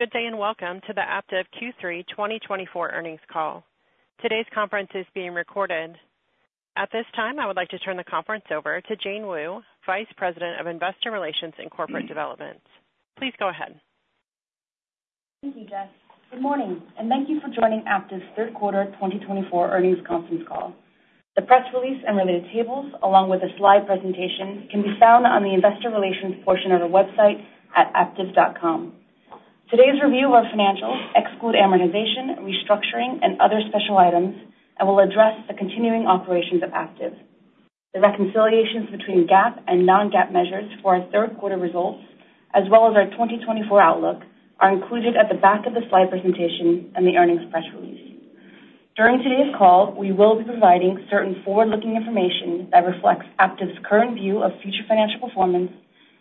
Good day and welcome to the Aptiv Q3 2024 earnings call. Today's conference is being recorded. At this time, I would like to turn the conference over to Jane Wu, Vice President of Investor Relations and Corporate Development. Please go ahead. Thank you, Jess. Good morning, and thank you for joining Aptiv's third quarter 2024 earnings conference call. The press release and related tables, along with the slide presentation, can be found on the Investor Relations portion of our website at aptiv.com. Today's review of our financials excludes amortization, restructuring, and other special items, and will address the continuing operations of Aptiv. The reconciliations between GAAP and non-GAAP measures for our third quarter results, as well as our 2024 outlook, are included at the back of the slide presentation and the earnings press release. During today's call, we will be providing certain forward-looking information that reflects Aptiv's current view of future financial performance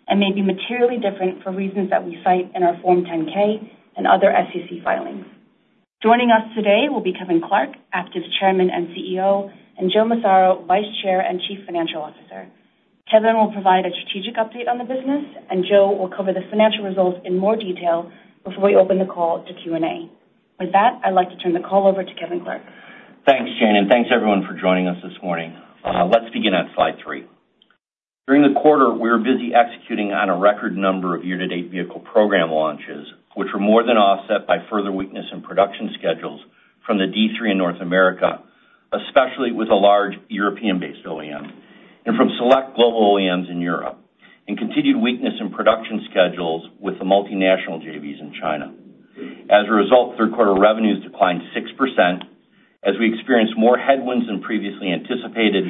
and may be materially different for reasons that we cite in our Form 10-K and other SEC filings. Joining us today will be Kevin Clark, Aptiv's Chairman and CEO, and Joe Massaro, Vice Chair and Chief Financial Officer. Kevin will provide a strategic update on the business, and Joe will cover the financial results in more detail before we open the call to Q&A. With that, I'd like to turn the call over to Kevin Clark. Thanks, Jane, and thanks everyone for joining us this morning. Let's begin at slide three. During the quarter, we were busy executing on a record number of year-to-date vehicle program launches, which were more than offset by further weakness in production schedules from the D3 in North America, especially with a large European-based OEM, and from select global OEMs in Europe, and continued weakness in production schedules with the multinational JVs in China. As a result, third quarter revenues declined 6% as we experienced more headwinds than previously anticipated,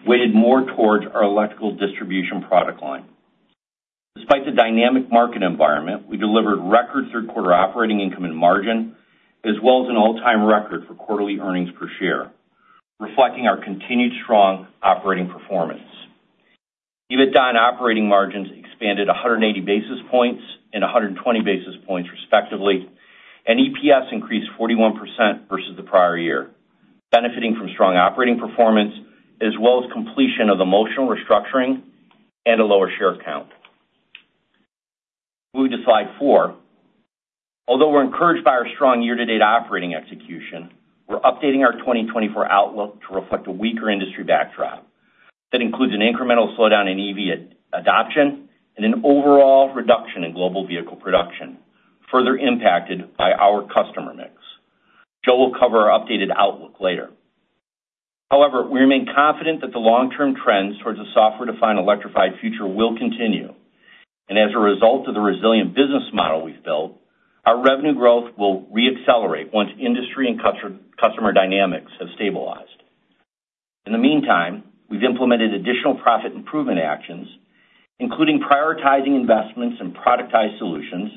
which weighed more towards our electrical distribution product line. Despite the dynamic market environment, we delivered record third quarter operating income and margin, as well as an all-time record for quarterly earnings per share, reflecting our continued strong operating performance. EBITDA and operating margins expanded 180 basis points and 120 basis points, respectively, and EPS increased 41% versus the prior year, benefiting from strong operating performance, as well as completion of the Motional restructuring and a lower share count. Moving to slide four. Although we're encouraged by our strong year-to-date operating execution, we're updating our 2024 outlook to reflect a weaker industry backdrop that includes an incremental slowdown in EV adoption and an overall reduction in global vehicle production, further impacted by our customer mix. Joe will cover our updated outlook later. However, we remain confident that the long-term trends towards a software-defined electrified future will continue, and as a result of the resilient business model we've built, our revenue growth will re-accelerate once industry and customer dynamics have stabilized. In the meantime, we've implemented additional profit improvement actions, including prioritizing investments in productized solutions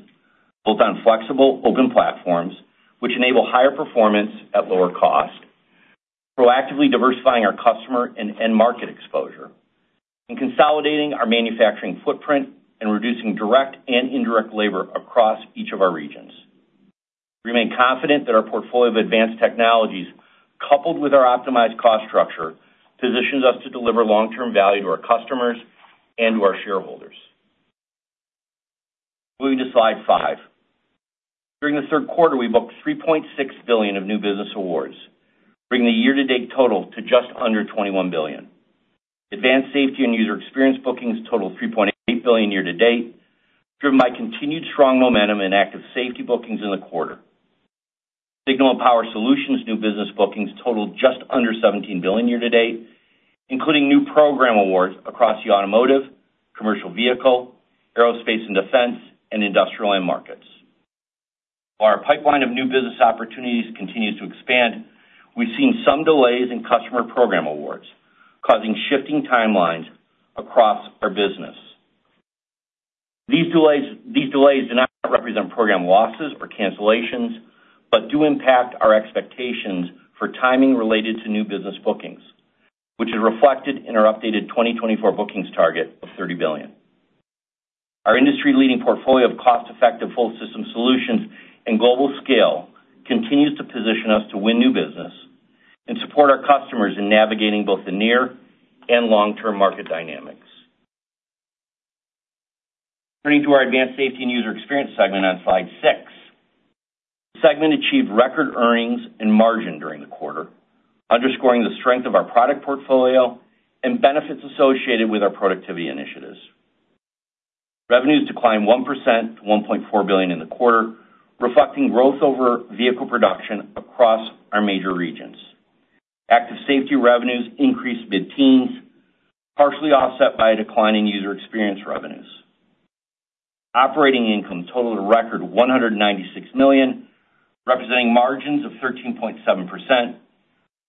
built on flexible open platforms, which enable higher performance at lower cost, proactively diversifying our customer and end market exposure, and consolidating our manufacturing footprint and reducing direct and indirect labor across each of our regions. We remain confident that our portfolio of advanced technologies, coupled with our optimized cost structure, positions us to deliver long-term value to our customers and to our shareholders. Moving to slide five. During the third quarter, we booked $3.6 billion of new business awards, bringing the year-to-date total to just under $21 billion. Advanced Safety and User Experience bookings totaled $3.8 billion year-to-date, driven by continued strong momentum in Active Safety bookings in the quarter. Signal and Power Solutions' new business bookings totaled just under 17 billion year-to-date, including new program awards across the automotive, commercial vehicle, aerospace, and defense, and industrial end markets. While our pipeline of new business opportunities continues to expand, we've seen some delays in customer program awards, causing shifting timelines across our business. These delays do not represent program losses or cancellations, but do impact our expectations for timing related to new business bookings, which is reflected in our updated 2024 bookings target of 30 billion. Our industry-leading portfolio of cost-effective full-system solutions and global scale continues to position us to win new business and support our customers in navigating both the near and long-term market dynamics. Turning to our advanced safety and user experience segment on slide six, the segment achieved record earnings and margin during the quarter, underscoring the strength of our product portfolio and benefits associated with our productivity initiatives. Revenues declined 1% to $1.4 billion in the quarter, reflecting growth over vehicle production across our major regions. Active safety revenues increased mid-teens, partially offset by declining user experience revenues. Operating income totaled a record $196 million, representing margins of 13.7%,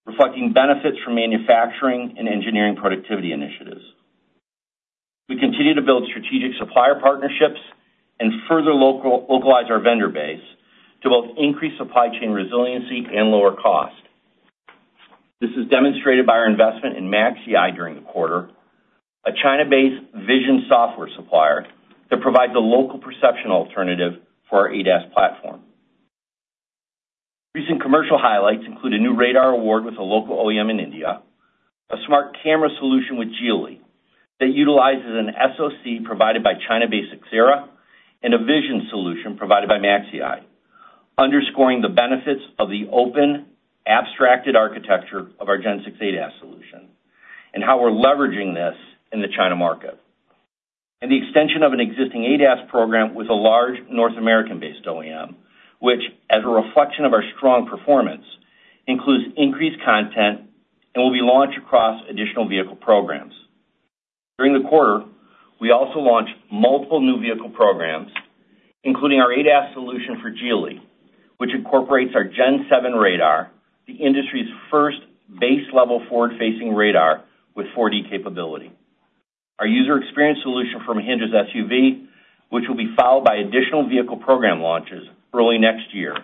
reflecting benefits from manufacturing and engineering productivity initiatives. We continue to build strategic supplier partnerships and further localize our vendor base to both increase supply chain resiliency and lower cost. This is demonstrated by our investment in Maxieye during the quarter, a China-based vision software supplier that provides a local perception alternative for our ADAS platform. Recent commercial highlights include a new radar award with a local OEM in India, a smart camera solution with Geely that utilizes an SOC provided by China-based Axera, and a vision solution provided by Maxieye, underscoring the benefits of the open, abstracted architecture of our Gen 6 ADAS solution and how we're leveraging this in the China market, and the extension of an existing ADAS program with a large North American-based OEM, which, as a reflection of our strong performance, includes increased content and will be launched across additional vehicle programs. During the quarter, we also launched multiple new vehicle programs, including our ADAS solution for Geely, which incorporates our Gen 7 radar, the industry's first base-level forward-facing radar with 4D capability. Our user experience solution for Mahindra's SUV, which will be followed by additional vehicle program launches early next year,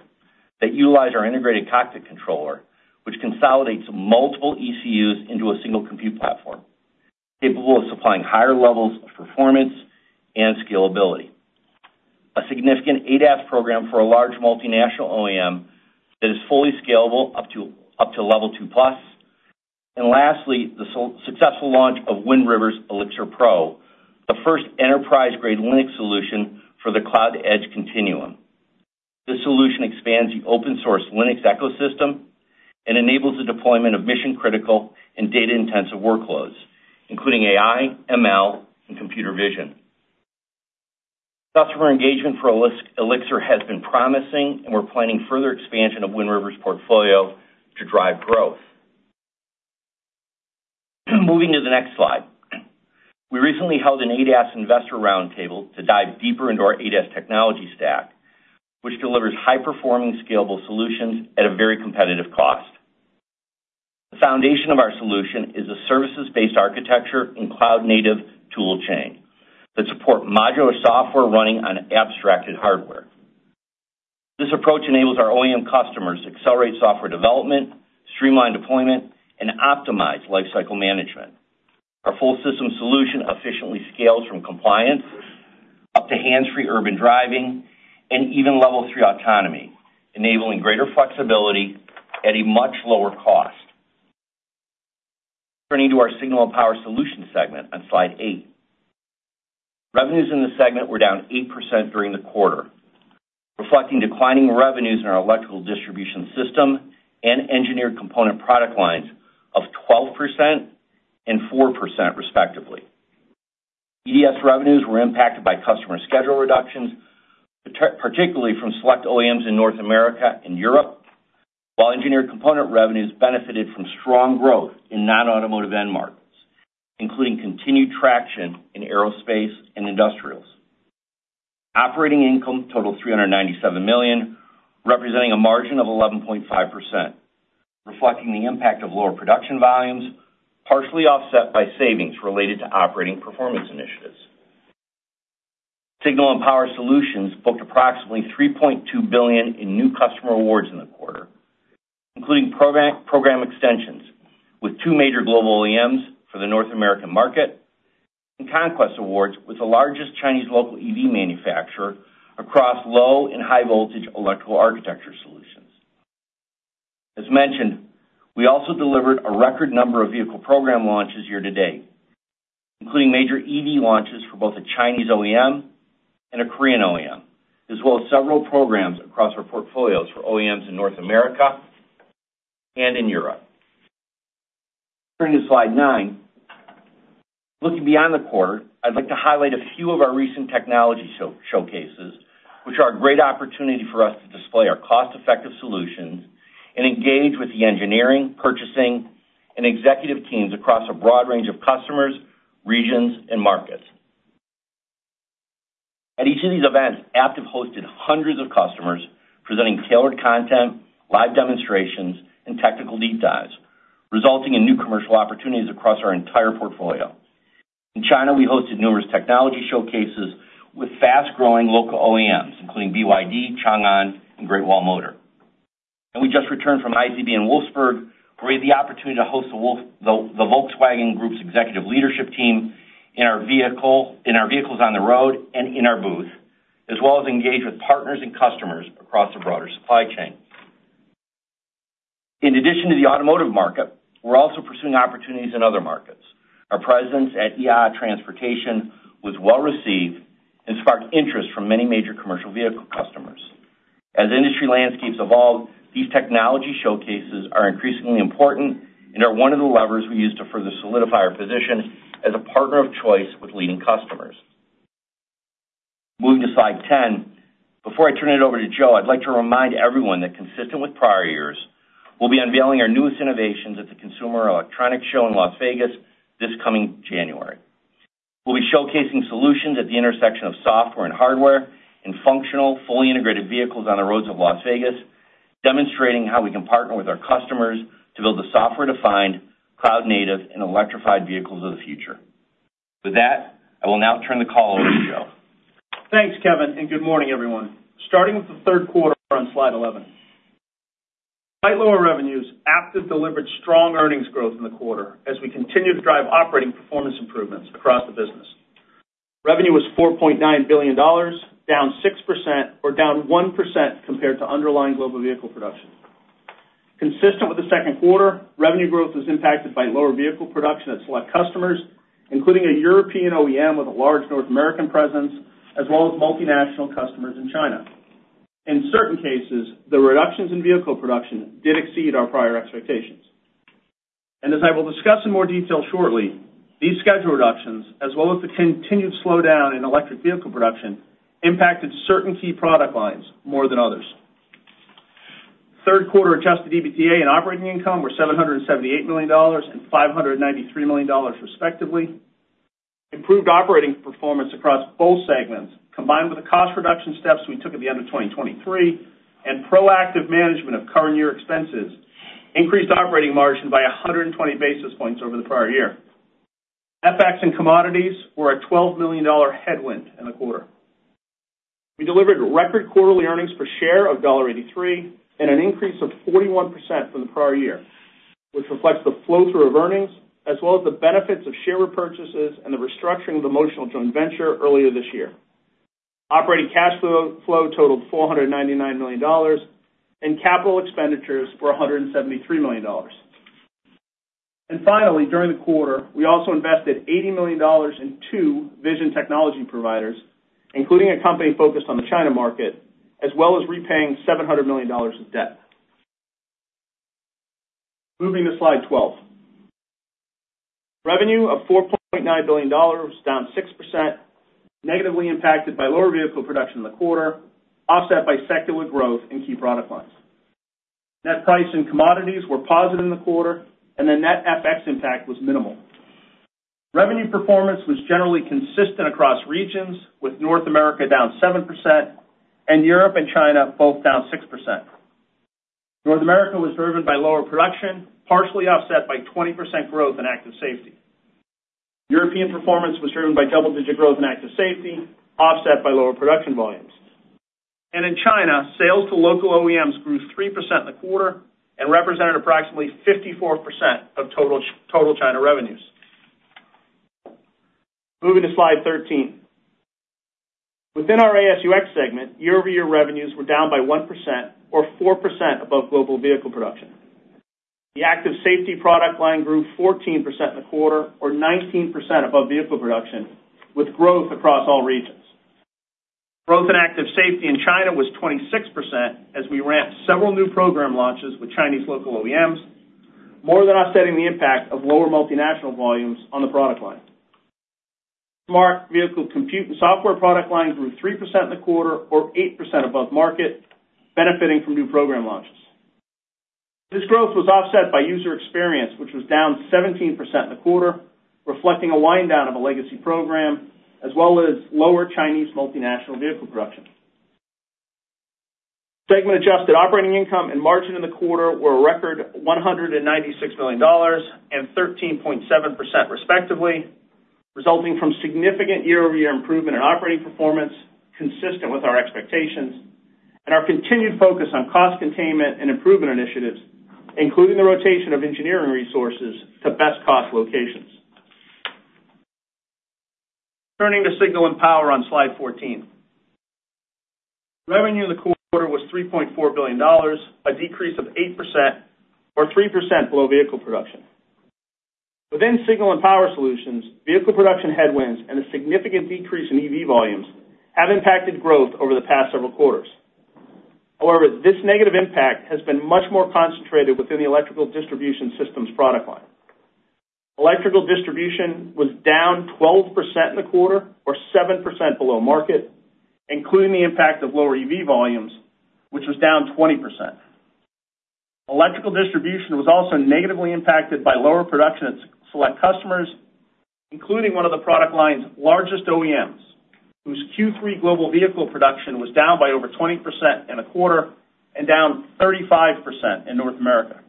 that utilize our integrated cockpit controller, which consolidates multiple ECUs into a single compute platform, capable of supplying higher levels of performance and scalability. A significant ADAS program for a large multinational OEM that is fully scalable up to level 2+. And lastly, the successful launch of Wind River's eLxr Pro, the first enterprise-grade Linux solution for the cloud edge continuum. This solution expands the open-source Linux ecosystem and enables the deployment of mission-critical and data-intensive workloads, including AI, ML, and computer vision. Customer engagement for Elixir has been promising, and we're planning further expansion of Wind River's portfolio to drive growth. Moving to the next slide. We recently held an ADAS investor roundtable to dive deeper into our ADAS technology stack, which delivers high-performing, scalable solutions at a very competitive cost. The foundation of our solution is a services-based architecture and cloud-native tool chain that supports modular software running on abstracted hardware. This approach enables our OEM customers to accelerate software development, streamline deployment, and optimize lifecycle management. Our full-system solution efficiently scales from compliance up to hands-free urban driving and even Level 3 autonomy, enabling greater flexibility at a much lower cost. Turning to our Signal and Power Solutions segment on slide eight. Revenues in the segment were down 8% during the quarter, reflecting declining revenues in our electrical distribution system and engineered component product lines of 12% and 4%, respectively. EDS revenues were impacted by customer schedule reductions, particularly from select OEMs in North America and Europe, while engineered component revenues benefited from strong growth in non-automotive end markets, including continued traction in aerospace and industrials. Operating income totaled $397 million, representing a margin of 11.5%, reflecting the impact of lower production volumes, partially offset by savings related to operating performance initiatives. Signal and Power Solutions booked approximately $3.2 billion in new customer awards in the quarter, including program extensions with two major global OEMs for the North American market and conquest awards with the largest Chinese local EV manufacturer across low and high-voltage electrical architecture solutions. As mentioned, we also delivered a record number of vehicle program launches year-to-date, including major EV launches for both a Chinese OEM and a Korean OEM, as well as several programs across our portfolios for OEMs in North America and in Europe. Turning to slide nine, looking beyond the quarter, I'd like to highlight a few of our recent technology showcases, which are a great opportunity for us to display our cost-effective solutions and engage with the engineering, purchasing, and executive teams across a broad range of customers, regions, and markets. At each of these events, Aptiv hosted hundreds of customers presenting tailored content, live demonstrations, and technical deep dives, resulting in new commercial opportunities across our entire portfolio. In China, we hosted numerous technology showcases with fast-growing local OEMs, including BYD, Changan, and Great Wall Motor, and we just returned from IZB in Wolfsburg, where we had the opportunity to host the Volkswagen Group's executive leadership team in our vehicles on the road and in our booth, as well as engage with partners and customers across the broader supply chain. In addition to the automotive market, we're also pursuing opportunities in other markets. Our presence at IAA Transportation was well-received and sparked interest from many major commercial vehicle customers. As industry landscapes evolve, these technology showcases are increasingly important and are one of the levers we use to further solidify our position as a partner of choice with leading customers. Moving to slide 10, before I turn it over to Joe, I'd like to remind everyone that, consistent with prior years, we'll be unveiling our newest innovations at the Consumer Electronics Show in Las Vegas this coming January. We'll be showcasing solutions at the intersection of software and hardware in functional, fully integrated vehicles on the roads of Las Vegas, demonstrating how we can partner with our customers to build the software-defined, cloud-native, and electrified vehicles of the future. With that, I will now turn the call over to Joe. Thanks, Kevin, and good morning, everyone. Starting with the third quarter on slide 11. Despite lower revenues, Aptiv delivered strong earnings growth in the quarter as we continued to drive operating performance improvements across the business. Revenue was $4.9 billion, down 6%, or down 1% compared to underlying global vehicle production. Consistent with the second quarter, revenue growth was impacted by lower vehicle production at select customers, including a European OEM with a large North American presence, as well as multinational customers in China. In certain cases, the reductions in vehicle production did exceed our prior expectations, and as I will discuss in more detail shortly, these schedule reductions, as well as the continued slowdown in electric vehicle production, impacted certain key product lines more than others. Third quarter adjusted EBITDA and operating income were $778 million and $593 million, respectively. Improved operating performance across both segments, combined with the cost reduction steps we took at the end of 2023 and proactive management of current year expenses, increased operating margin by 120 basis points over the prior year. FX and commodities were a $12 million headwind in the quarter. We delivered record quarterly earnings per share of $1.83 and an increase of 41% from the prior year, which reflects the flow-through of earnings, as well as the benefits of share repurchases and the restructuring of the Motional joint venture earlier this year. Operating cash flow totaled $499 million, and capital expenditures were $173 million. Finally, during the quarter, we also invested $80 million in two vision technology providers, including a company focused on the China market, as well as repaying $700 million in debt. Moving to slide 12. Revenue of $4.9 billion, down 6%, negatively impacted by lower vehicle production in the quarter, offset by sector growth and key product lines. Net price and commodities were positive in the quarter, and the net FX impact was minimal. Revenue performance was generally consistent across regions, with North America down 7% and Europe and China both down 6%. North America was driven by lower production, partially offset by 20% growth in active safety. European performance was driven by double-digit growth in active safety, offset by lower production volumes. And in China, sales to local OEMs grew 3% in the quarter and represented approximately 54% of total China revenues. Moving to slide 13. Within our ASUX segment, year-over-year revenues were down by 1%, or 4%, above global vehicle production. The active safety product line grew 14% in the quarter, or 19%, above vehicle production, with growth across all regions. Growth in active safety in China was 26% as we ramped several new program launches with Chinese local OEMs, more than offsetting the impact of lower multinational volumes on the product line. Smart vehicle compute and software product line grew 3% in the quarter, or 8%, above market, benefiting from new program launches. This growth was offset by user experience, which was down 17% in the quarter, reflecting a wind-down of a legacy program, as well as lower Chinese multinational vehicle production. Segment-adjusted operating income and margin in the quarter were a record $196 million and 13.7%, respectively, resulting from significant year-over-year improvement in operating performance, consistent with our expectations, and our continued focus on cost containment and improvement initiatives, including the rotation of engineering resources to best-cost locations. Turning to Signal and Power on slide 14. Revenue in the quarter was $3.4 billion, a decrease of 8%, or 3%, below vehicle production. Within Signal and Power Solutions, vehicle production headwinds and a significant decrease in EV volumes have impacted growth over the past several quarters. However, this negative impact has been much more concentrated within the Electrical Distribution Systems product line. Electrical Distribution Systems was down 12% in the quarter, or 7%, below market, including the impact of lower EV volumes, which was down 20%. Electrical Distribution Systems was also negatively impacted by lower production at select customers, including one of the product line's largest OEMs, whose Q3 global vehicle production was down by over 20% in the quarter and down 35% in North America.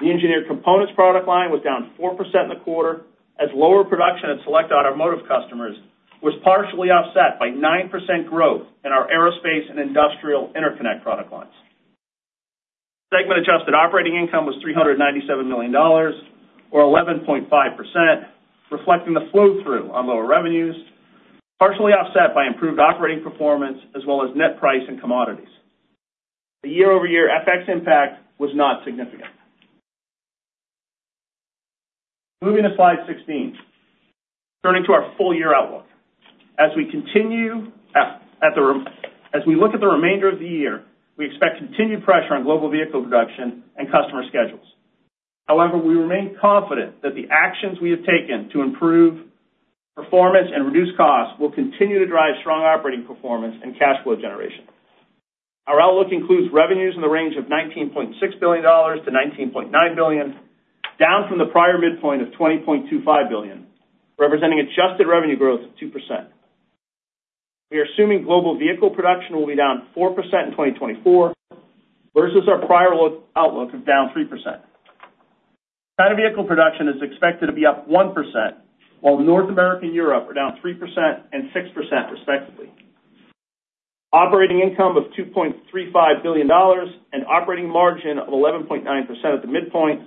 The Engineered Components product line was down 4% in the quarter, as lower production at select automotive customers was partially offset by 9% growth in our Aerospace and Industrial Interconnect product lines. Segment-adjusted operating income was $397 million, or 11.5%, reflecting the flow-through on lower revenues, partially offset by improved operating performance, as well as net price and commodities. The year-over-year FX impact was not significant. Moving to slide 16. Turning to our full-year outlook. As we continue, as we look at the remainder of the year, we expect continued pressure on global vehicle production and customer schedules. However, we remain confident that the actions we have taken to improve performance and reduce costs will continue to drive strong operating performance and cash flow generation. Our outlook includes revenues in the range of $19.6 billion-$19.9 billion, down from the prior midpoint of $20.25 billion, representing adjusted revenue growth of 2%. We are assuming global vehicle production will be down 4% in 2024 versus our prior outlook of down 3%. China vehicle production is expected to be up 1%, while North America and Europe are down 3% and 6%, respectively. Operating income of $2.35 billion and operating margin of 11.9% at the midpoint,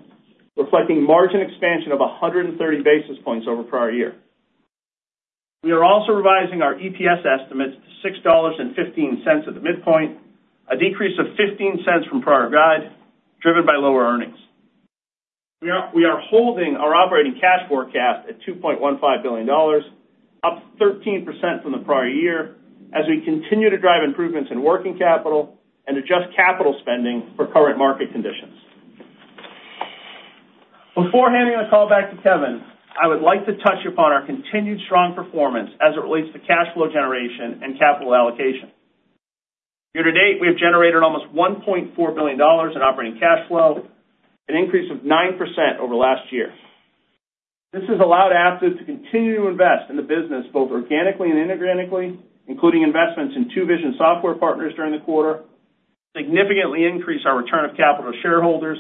reflecting margin expansion of 130 basis points over prior year. We are also revising our EPS estimates to $6.15 at the midpoint, a decrease of 15 cents from prior guide, driven by lower earnings. We are holding our operating cash forecast at $2.15 billion, up 13% from the prior year, as we continue to drive improvements in working capital and adjust capital spending for current market conditions. Before handing the call back to Kevin, I would like to touch upon our continued strong performance as it relates to cash flow generation and capital allocation. Year-to-date, we have generated almost $1.4 billion in operating cash flow, an increase of 9% over last year. This has allowed Aptiv to continue to invest in the business both organically and inorganically, including investments in two vision software partners during the quarter, significantly increase our return of capital to shareholders,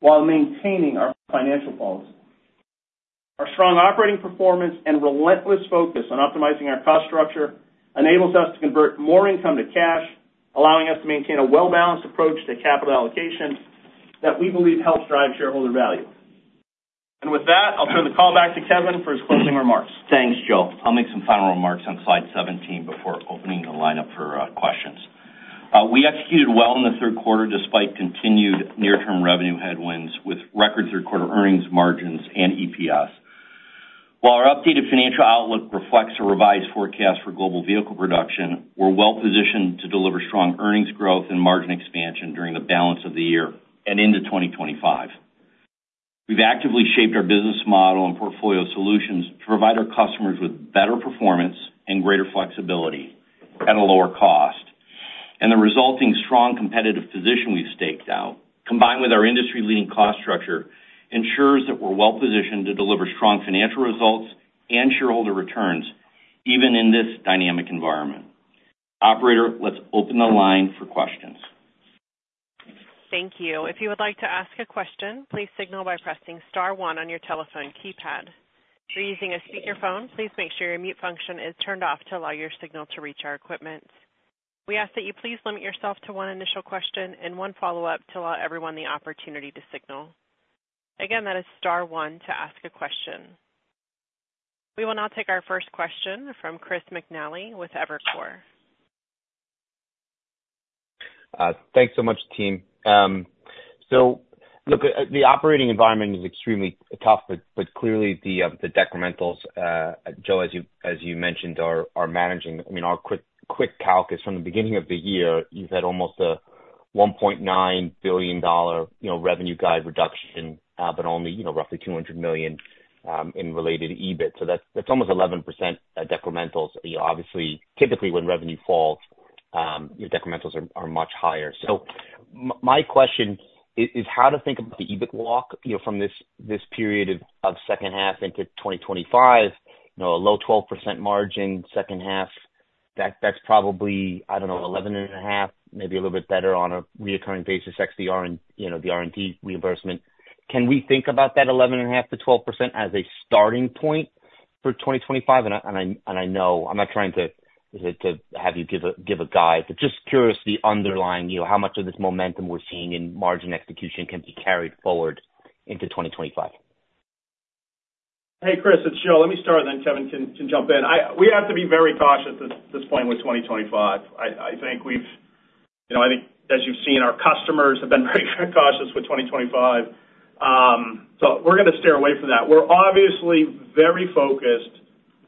while maintaining our financial policy. Our strong operating performance and relentless focus on optimizing our cost structure enables us to convert more income to cash, allowing us to maintain a well-balanced approach to capital allocation that we believe helps drive shareholder value, and with that, I'll turn the call back to Kevin for his closing remarks. Thanks, Joe. I'll make some final remarks on slide 17 before opening the lineup for questions. We executed well in the third quarter despite continued near-term revenue headwinds with record third-quarter earnings margins and EPS. While our updated financial outlook reflects a revised forecast for global vehicle production, we're well-positioned to deliver strong earnings growth and margin expansion during the balance of the year and into 2025. We've actively shaped our business model and portfolio solutions to provide our customers with better performance and greater flexibility at a lower cost, and the resulting strong competitive position we've staked out, combined with our industry-leading cost structure, ensures that we're well-positioned to deliver strong financial results and shareholder returns even in this dynamic environment. Operator, let's open the line for questions. Thank you. If you would like to ask a question, please signal by pressing Star 1 on your telephone keypad. If you're using a speakerphone, please make sure your mute function is turned off to allow your signal to reach our equipment. We ask that you please limit yourself to one initial question and one follow-up to allow everyone the opportunity to signal. Again, that is Star 1 to ask a question. We will now take our first question from Chris McNally with Evercore. Thanks so much, team. So look, the operating environment is extremely tough, but clearly the detrimentals, Joe, as you mentioned, are managing. I mean, our quick calc is from the beginning of the year, you've had almost a $1.9 billion revenue guide reduction, but only roughly $200 million in related EBITs. So that's almost 11% detrimentals. Obviously, typically when revenue falls, your detrimentals are much higher. So my question is how to think about the EBIT walk from this period of second half into 2025, a low 12% margin second half? That's probably, I don't know, 11 and a half, maybe a little bit better on a recurring basis, the R&D reimbursement. Can we think about that 11 and a half to 12% as a starting point for 2025? And I know I'm not trying to have you give a guide, but just curious the underlying how much of this momentum we're seeing in margin execution can be carried forward into 2025? Hey, Chris, it's Joe. Let me start then, Kevin can jump in. We have to be very cautious at this point with 2025. I think we've, as you've seen, our customers have been very cautious with 2025. So we're going to steer away from that. We're obviously very focused on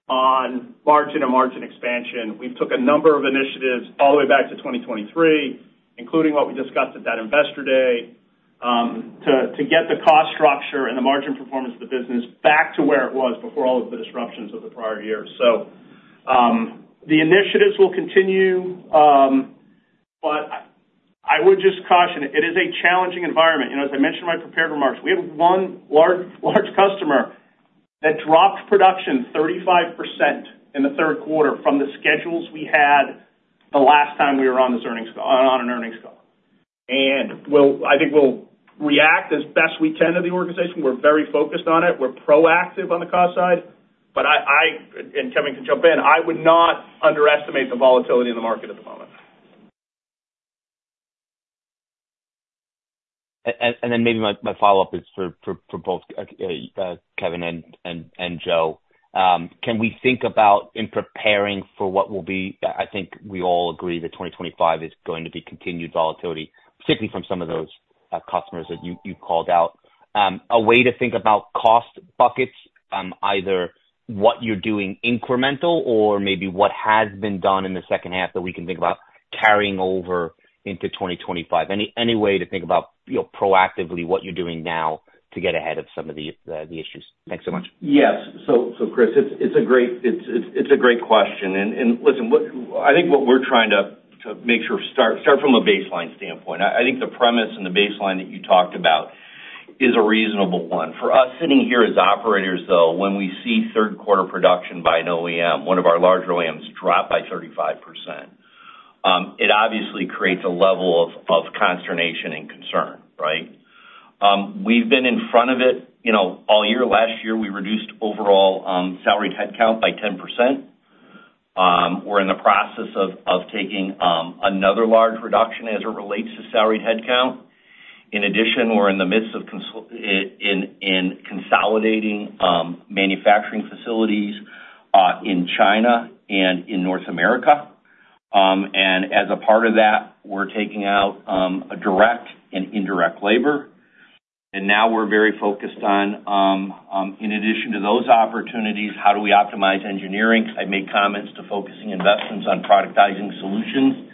margin and margin expansion. We've taken a number of initiatives all the way back to 2023, including what we discussed at that investor day, to get the cost structure and the margin performance of the business back to where it was before all of the disruptions of the prior year. So the initiatives will continue, but I would just caution it. It is a challenging environment. As I mentioned in my prepared remarks, we had one large customer that dropped production 35% in the third quarter from the schedules we had the last time we were on an earnings call. And I think we'll react as best we can to the organization. We're very focused on it. We're proactive on the cost side. But I, and Kevin can jump in, I would not underestimate the volatility in the market at the moment. And then maybe my follow-up is for both Kevin and Joe. Can we think about in preparing for what will be, I think we all agree that 2025 is going to be continued volatility, particularly from some of those customers that you called out, a way to think about cost buckets, either what you're doing incremental or maybe what has been done in the second half that we can think about carrying over into 2025? Any way to think about proactively what you're doing now to get ahead of some of the issues? Thanks so much. Yes. So Chris, it's a great question. And listen, I think what we're trying to make sure start from a baseline standpoint. I think the premise and the baseline that you talked about is a reasonable one. For us sitting here as operators, though, when we see third-quarter production by an OEM, one of our larger OEMs drop by 35%, it obviously creates a level of consternation and concern, right? We've been in front of it all year. Last year, we reduced overall salary headcount by 10%. We're in the process of taking another large reduction as it relates to salary headcount. In addition, we're in the midst of consolidating manufacturing facilities in China and in North America, and as a part of that, we're taking out direct and indirect labor, and now we're very focused on, in addition to those opportunities, how do we optimize engineering? I made comments to focusing investments on productizing solutions,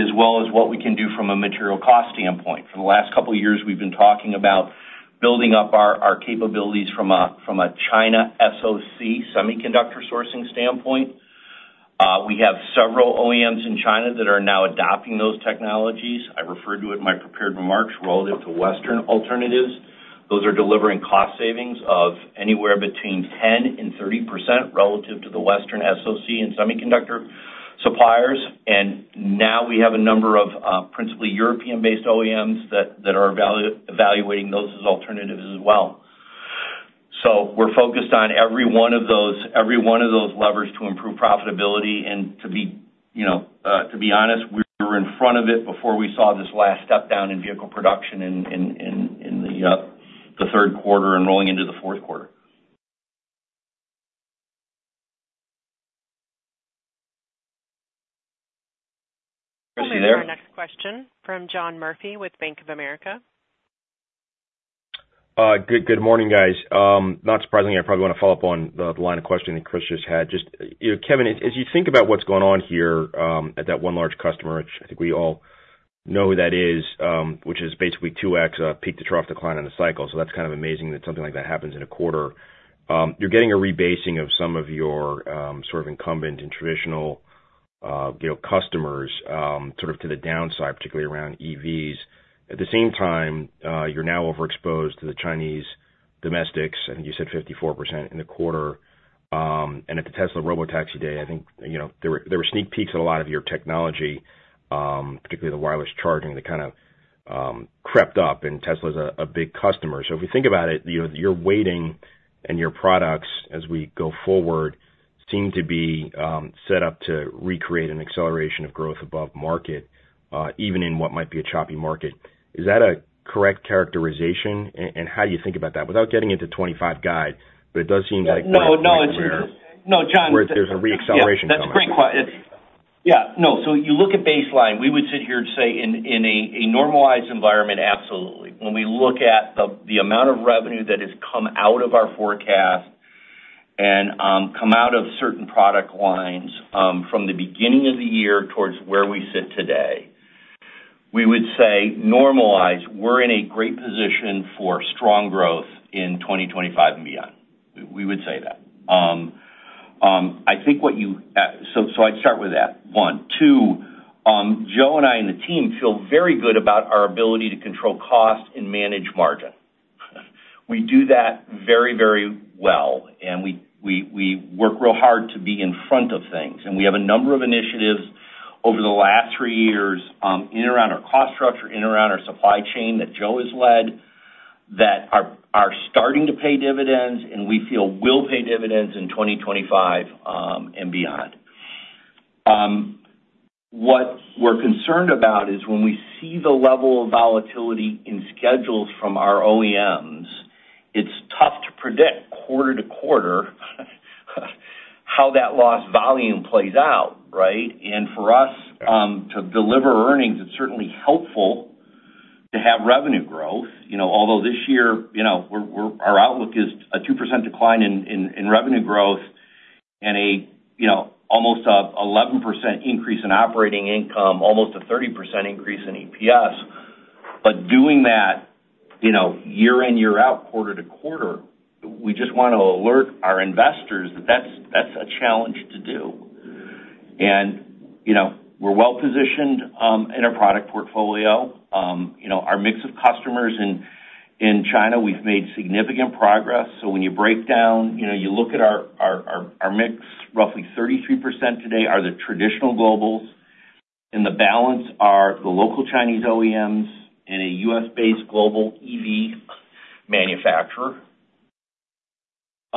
as well as what we can do from a material cost standpoint. For the last couple of years, we've been talking about building up our capabilities from a China SOC semiconductor sourcing standpoint. We have several OEMs in China that are now adopting those technologies. I referred to it in my prepared remarks relative to Western alternatives. Those are delivering cost savings of anywhere between 10% and 30% relative to the Western SOC and semiconductor suppliers. And now we have a number of principally European-based OEMs that are evaluating those as alternatives as well. So we're focused on every one of those levers to improve profitability. And to be honest, we were in front of it before we saw this last step down in vehicle production in the third quarter and rolling into the fourth quarter. Chris, you there? This is our next question from John Murphy with Bank of America. Good morning, guys. Not surprisingly, I probably want to follow up on the line of questioning that Chris just had. Just Kevin, as you think about what's going on here at that one large customer, which I think we all know who that is, which is basically 2X peak to trough decline in the cycle. So that's kind of amazing that something like that happens in a quarter. You're getting a rebasing of some of your sort of incumbent and traditional customers sort of to the downside, particularly around EVs. At the same time, you're now overexposed to the Chinese domestics, I think you said 54% in the quarter. And at the Tesla Robotaxi day, I think there were sneak peeks at a lot of your technology, particularly the wireless charging that kind of crept up. And Tesla is a big customer. So if we think about it, you're waiting and your products, as we go forward, seem to be set up to recreate an acceleration of growth above market, even in what might be a choppy market. Is that a correct characterization? And how do you think about that? Without getting into 25 guide, but it does seem that it's. No, John. It's a reacceleration coming up. That's a great question. Yeah. No, so you look at baseline. We would sit here and say, in a normalized environment, absolutely. When we look at the amount of revenue that has come out of our forecast and come out of certain product lines from the beginning of the year towards where we sit today, we would say, normalized, we're in a great position for strong growth in 2025 and beyond. We would say that. I think what you—so I'd start with that. One. Two, Joe and I and the team feel very good about our ability to control cost and manage margin. We do that very, very well. And we work real hard to be in front of things. And we have a number of initiatives over the last three years in and around our cost structure, in and around our supply chain that Joe has led that are starting to pay dividends, and we feel will pay dividends in 2025 and beyond. What we're concerned about is when we see the level of volatility in schedules from our OEMs, it's tough to predict quarter to quarter how that lost volume plays out, right? And for us to deliver earnings, it's certainly helpful to have revenue growth. Although this year, our outlook is a 2% decline in revenue growth and almost an 11% increase in operating income, almost a 30% increase in EPS. But doing that year in, year out, quarter to quarter, we just want to alert our investors that that's a challenge to do. And we're well-positioned in our product portfolio. Our mix of customers in China, we've made significant progress. So when you break down, you look at our mix, roughly 33% today are the traditional globals. In the balance are the local Chinese OEMs and a US-based global EV manufacturer.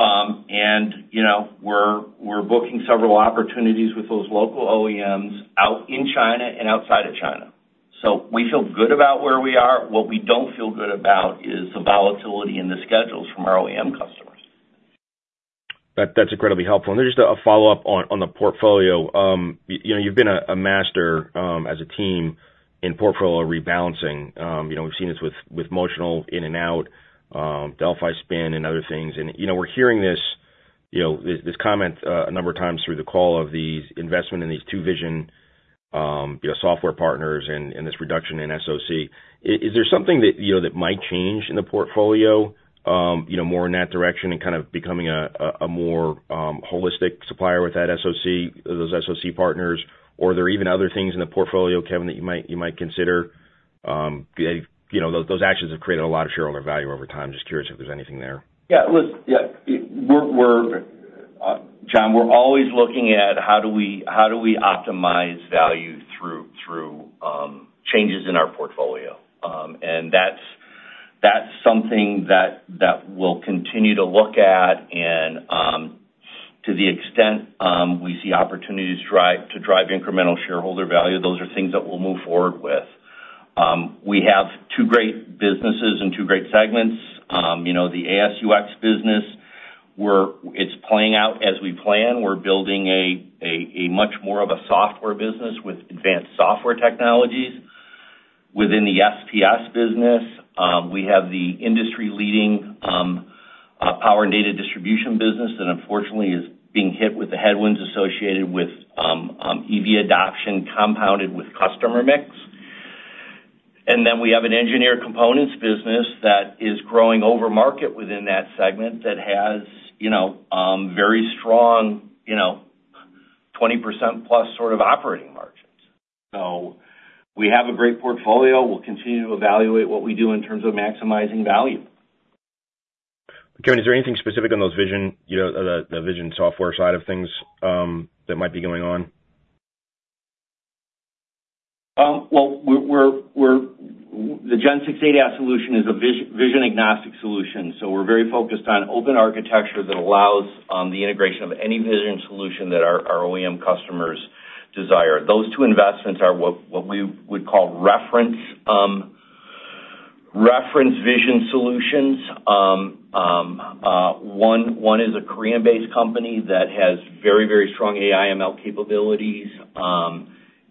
And we're booking several opportunities with those local OEMs out in China and outside of China. So we feel good about where we are. What we don't feel good about is the volatility in the schedules from our OEM customers. That's incredibly helpful. And there's just a follow-up on the portfolio. You've been a master as a team in portfolio rebalancing. We've seen this with Motional in and out, Delphi Spin, and other things, and we're hearing this comment a number of times through the call of the investment in these two vision software partners and this reduction in SOC. Is there something that might change in the portfolio more in that direction and kind of becoming a more holistic supplier with those SOC partners? Or are there even other things in the portfolio, Kevin, that you might consider? Those actions have created a lot of shareholder value over time. Just curious if there's anything there? Yeah. Listen, yeah. John, we're always looking at how do we optimize value through changes in our portfolio, and that's something that we'll continue to look at. To the extent we see opportunities to drive incremental shareholder value, those are things that we'll move forward with. We have two great businesses and two great segments. The ASUX business, it's playing out as we plan. We're building a much more of a software business with advanced software technologies. Within the SPS business, we have the industry-leading power and data distribution business that unfortunately is being hit with the headwinds associated with EV adoption compounded with customer mix. And then we have an engineered components business that is growing over market within that segment that has very strong 20% plus sort of operating margins. So we have a great portfolio. We'll continue to evaluate what we do in terms of maximizing value. Kevin, is there anything specific on the vision software side of things that might be going on? The Gen 6 ADAS solution is a vision-agnostic solution. So we're very focused on open architecture that allows the integration of any vision solution that our OEM customers desire. Those two investments are what we would call reference vision solutions. One is a Korean-based company that has very, very strong AI/ML capabilities.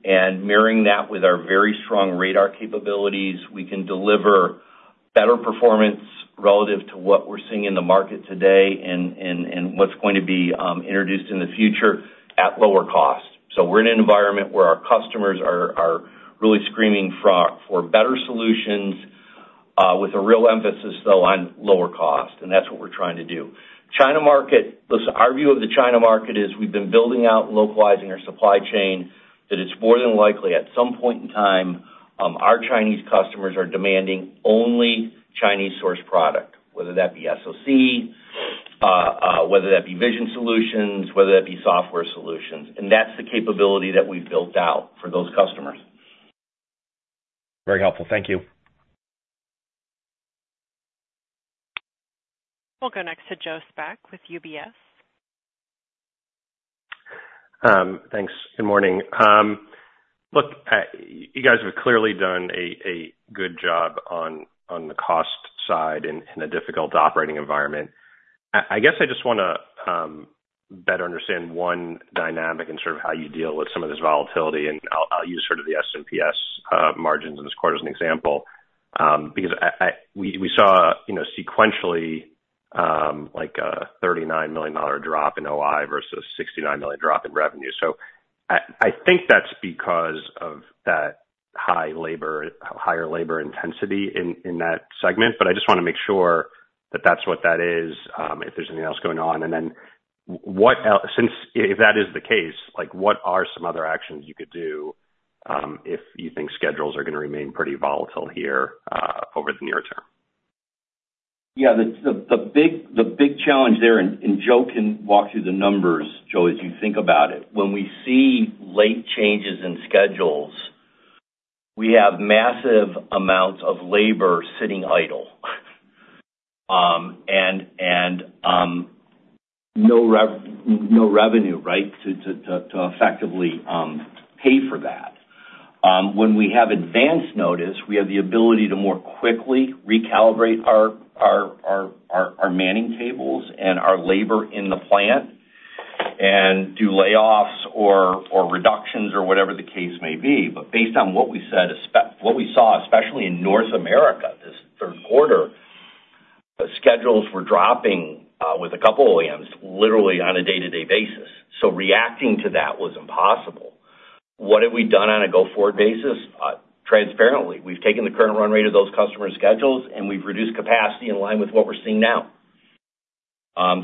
And marrying that with our very strong radar capabilities, we can deliver better performance relative to what we're seeing in the market today and what's going to be introduced in the future at lower cost. So we're in an environment where our customers are really screaming for better solutions with a real emphasis, though, on lower cost. And that's what we're trying to do. China market. Listen, our view of the China market is we've been building out and localizing our supply chain that it's more than likely at some point in time, our Chinese customers are demanding only Chinese-sourced product, whether that be SOC, whether that be vision solutions, whether that be software solutions. And that's the capability that we've built out for those customers. Very helpful. Thank you. We'll go next to Joseph Spak with UBS. Thanks. Good morning. Look, you guys have clearly done a good job on the cost side in a difficult operating environment. I guess I just want to better understand one dynamic and sort of how you deal with some of this volatility. And I'll use sort of the S&PS margins in this quarter as an example because we saw sequentially like a $39 million drop in OI versus a $69 million drop in revenue. So I think that's because of that higher labor intensity in that segment. But I just want to make sure that that's what that is, if there's anything else going on. And then if that is the case, what are some other actions you could do if you think schedules are going to remain pretty volatile here over the near term? Yeah. The big challenge there, and Joe can walk through the numbers, Joe, as you think about it, when we see late changes in schedules, we have massive amounts of labor sitting idle and no revenue, right, to effectively pay for that. When we have advanced notice, we have the ability to more quickly recalibrate our manning tables and our labor in the plant and do layoffs or reductions or whatever the case may be. But based on what we saw, especially in North America, this third quarter, schedules were dropping with a couple of OEMs literally on a day-to-day basis. So reacting to that was impossible. What have we done on a go-forward basis? Transparently, we've taken the current run rate of those customers' schedules, and we've reduced capacity in line with what we're seeing now.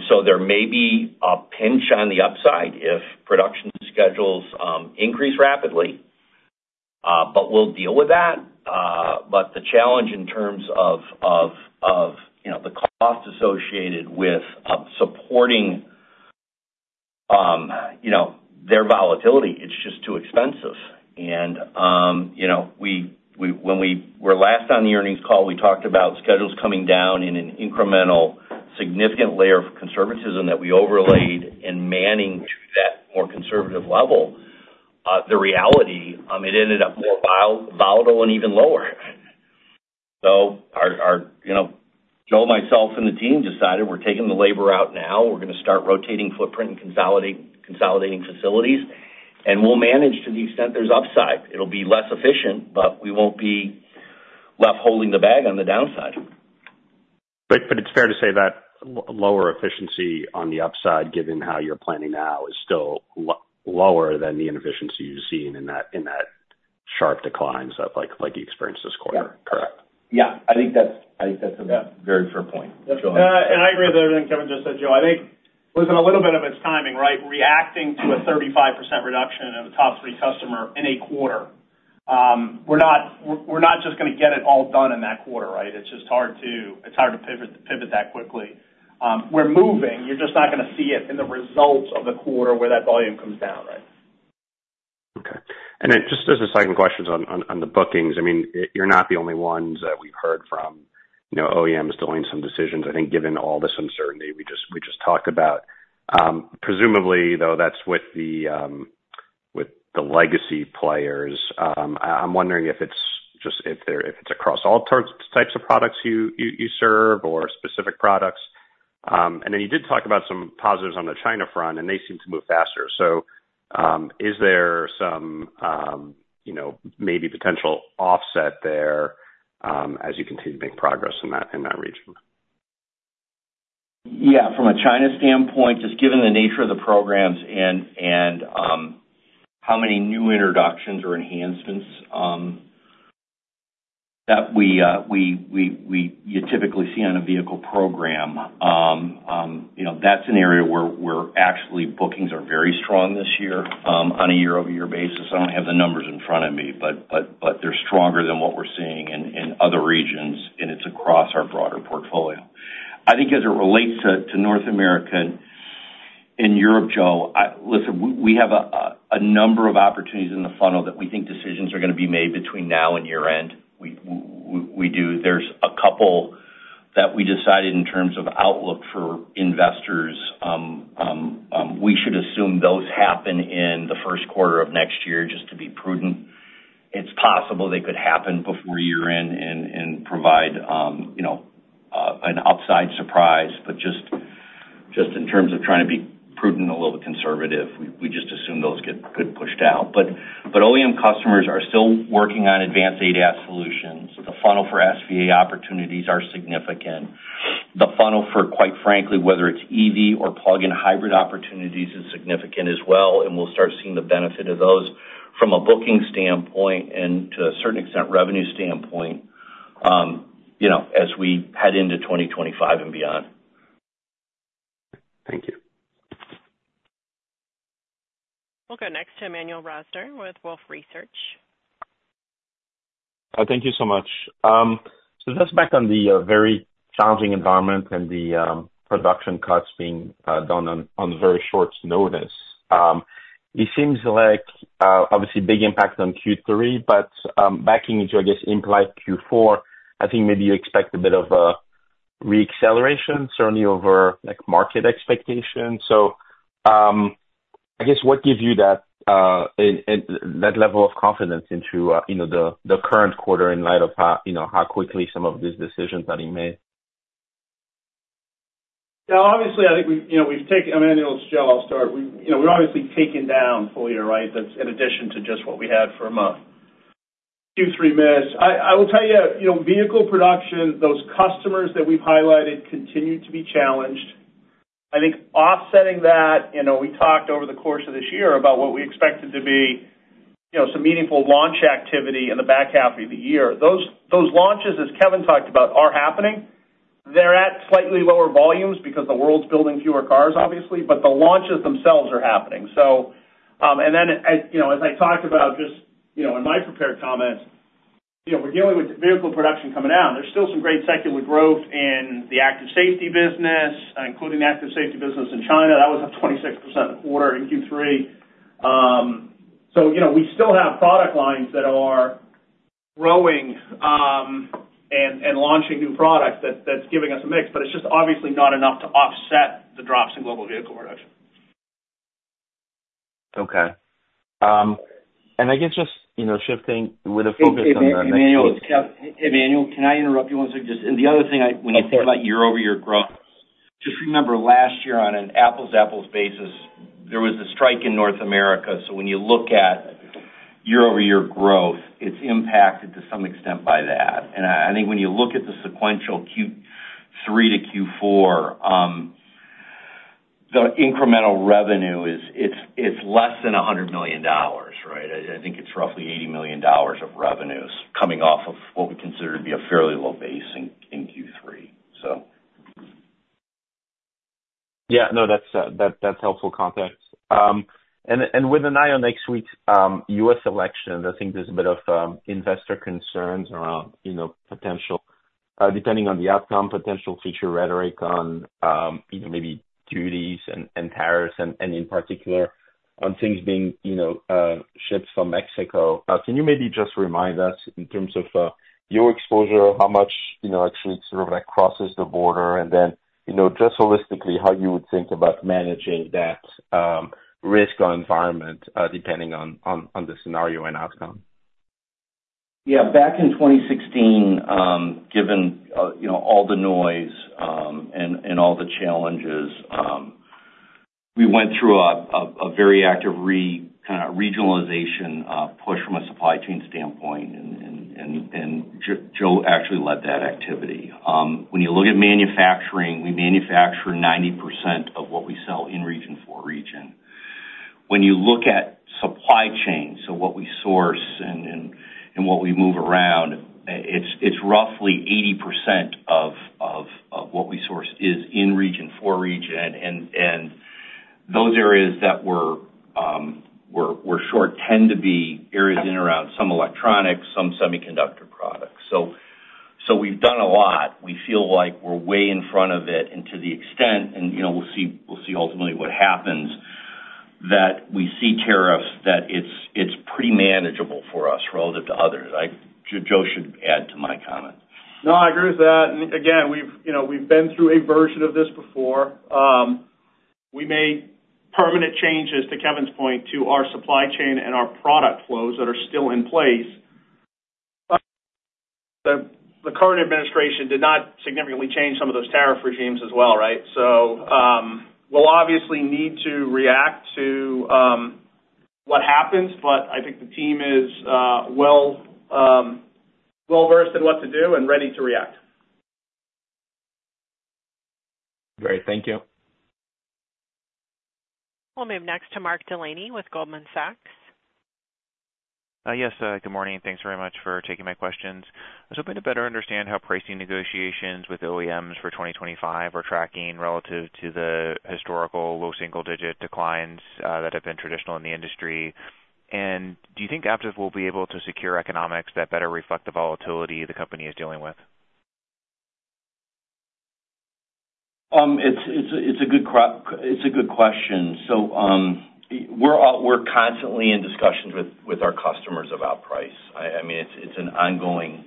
So there may be a pinch on the upside if production schedules increase rapidly, but we'll deal with that. But the challenge in terms of the cost associated with supporting their volatility, it's just too expensive. And when we were last on the earnings call, we talked about schedules coming down in an incremental significant layer of conservatism that we overlaid and manning to that more conservative level. The reality, it ended up more volatile and even lower. So, Joe, myself, and the team decided we're taking the labor out now. We're going to start rotating footprint and consolidating facilities. And we'll manage to the extent there's upside. It'll be less efficient, but we won't be left holding the bag on the downside. But it's fair to say that lower efficiency on the upside, given how you're planning now, is still lower than the inefficiency you're seeing in that sharp decline that you experienced this quarter. Correct? Yeah. I think that's a very fair point. And I agree with everything Kevin just said, Joe. I think, listen, a little bit of it's timing, right? Reacting to a 35% reduction in the top three customers in a quarter. We're not just going to get it all done in that quarter, right? It's just hard to pivot that quickly. We're moving. You're just not going to see it in the results of the quarter where that volume comes down, right? Okay. And just as a second question on the bookings, I mean, you're not the only ones that we've heard from OEMs delaying some decisions. I think given all this uncertainty we just talked about, presumably, though, that's with the legacy players. I'm wondering if it's across all types of products you serve or specific products. And then you did talk about some positives on the China front, and they seem to move faster. So is there some maybe potential offset there as you continue to make progress in that region? Yeah. From a China standpoint, just given the nature of the programs and how many new introductions or enhancements that we typically see on a vehicle program, that's an area where actually bookings are very strong this year on a year-over-year basis. I don't have the numbers in front of me, but they're stronger than what we're seeing in other regions, and it's across our broader portfolio. I think as it relates to North America and Europe, Joe, listen, we have a number of opportunities in the funnel that we think decisions are going to be made between now and year-end. There's a couple that we decided in terms of outlook for investors. We should assume those happen in the first quarter of next year just to be prudent. It's possible they could happen before year-end and provide an upside surprise. But just in terms of trying to be prudent and a little bit conservative, we just assume those could push down. But OEM customers are still working on advanced ADAS solutions. The funnel for SVA opportunities are significant. The funnel for, quite frankly, whether it's EV or plug-in hybrid opportunities is significant as well. And we'll start seeing the benefit of those from a booking standpoint and, to a certain extent, revenue standpoint as we head into 2025 and beyond. Thank you. We'll go next to Emmanuel Rosner with Wolfe Research. Thank you so much. So just back on the very challenging environment and the production cuts being done on very short notice. It seems like, obviously, big impact on Q3, but backing into, I guess, implied Q4, I think maybe you expect a bit of a reacceleration, certainly over market expectations? So, I guess what gives you that level of confidence into the current quarter in light of how quickly some of these decisions are being made? Yeah. Obviously, I think we've taken Emmanuel's question. I'll start. We've obviously taken down fully, right, in addition to just what we had for a month. Q3 missed. I will tell you, vehicle production, those customers that we've highlighted continue to be challenged. I think offsetting that, we talked over the course of this year about what we expected to be some meaningful launch activity in the back half of the year. Those launches, as Kevin talked about, are happening. They're at slightly lower volumes because the world's building fewer cars, obviously, but the launches themselves are happening. And then, as I talked about just in my prepared comments, we're dealing with vehicle production coming out. There's still some great secular growth in the active safety business, including the active safety business in China. That was up 26% in the quarter in Q3. So we still have product lines that are growing and launching new products that's giving us a mix. But it's just obviously not enough to offset the drops in global vehicle production. Okay. And I guess just shifting with a focus on the next quarter. Hey, Emmanuel, can I interrupt you one second? Just the other thing, when you think about year-over-year growth, just remember last year on an apples-to-apples basis, there was a strike in North America. So when you look at year-over-year growth, it's impacted to some extent by that. And I think when you look at the sequential Q3 to Q4, the incremental revenue, it's less than $100 million, right? I think it's roughly $80 million of revenues coming off of what we consider to be a fairly low base in Q3, so. Yeah. No, that's helpful context, and with an eye on next week's U.S. elections, I think there's a bit of investor concerns around potential, depending on the outcome, potential future rhetoric on maybe duties and tariffs and, in particular, on things being shipped from Mexico. Can you maybe just remind us in terms of your exposure, how much actually sort of crosses the border, and then just holistically, how you would think about managing that risk or environment depending on the scenario and outcome? Yeah. Back in 2016, given all the noise and all the challenges, we went through a very active kind of regionalization push from a supply chain standpoint, and Joe actually led that activity. When you look at manufacturing, we manufacture 90% of what we sell in region for region. When you look at supply chain, so what we source and what we move around, it's roughly 80% of what we source is in region for region. And those areas that we're short tend to be areas in and around some electronics, some semiconductor products. So we've done a lot. We feel like we're way in front of it and to the extent, and we'll see ultimately what happens, that we see tariffs, that it's pretty manageable for us relative to others. Joe should add to my comment. No, I agree with that. And again, we've been through a version of this before. We made permanent changes, to Kevin's point, to our supply chain and our product flows that are still in place. The current administration did not significantly change some of those tariff regimes as well, right? So we'll obviously need to react to what happens, but I think the team is well-versed in what to do and ready to react. Great. Thank you. We'll move next to Mark Delaney with Goldman Sachs. Yes. Good morning. Thanks very much for taking my questions. I was hoping to better understand how pricing negotiations with OEMs for 2025 are tracking relative to the historical low single-digit declines that have been traditional in the industry. And do you think Aptiv will be able to secure economics that better reflect the volatility the company is dealing with? It's a good question. So we're constantly in discussions with our customers about price. I mean, it's an ongoing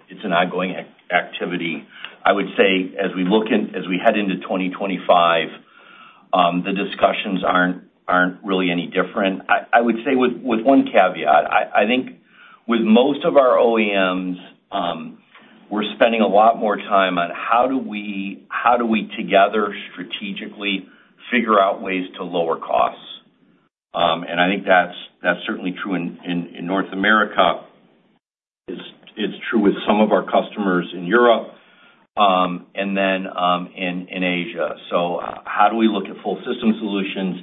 activity. I would say as we look in, as we head into 2025, the discussions aren't really any different. I would say with one caveat. I think with most of our OEMs, we're spending a lot more time on how do we together strategically figure out ways to lower costs. And I think that's certainly true in North America. It's true with some of our customers in Europe and then in Asia. So how do we look at full system solutions?